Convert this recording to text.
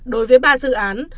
đối với ba dự án